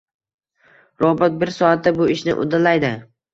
Robot bir soatda bu ishni uddalaydi.